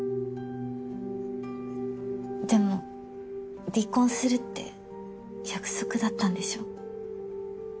でも離婚するって約束だったんでしょ？